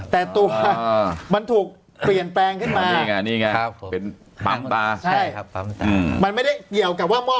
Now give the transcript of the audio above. แต่ตัวมันถูกเปลี่ยนแปลงขึ้นมามันไม่ได้เกี่ยวกับว่ามอบ